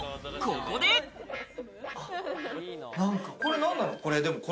これ何なの？